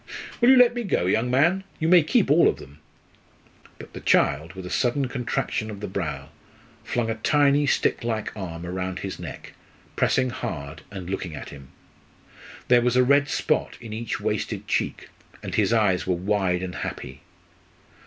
Will you let me go, young man? You may keep all of them." But the child, with a sudden contraction of the brow, flung a tiny stick like arm round his neck, pressing hard, and looking at him. There was a red spot in each wasted cheek, and his eyes were wide and happy.